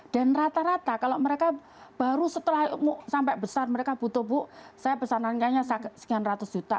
dan rata rata kalau mereka baru setelah sampai besar mereka butuh bu saya pesan rakyatnya sekian ratus juta